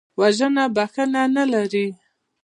وژنه بښنه نه لري